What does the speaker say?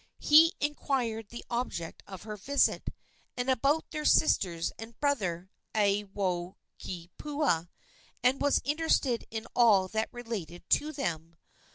He inquired the object of her visit, and about their sisters, and brother Aiwohikupua, and was interested in all that related to them.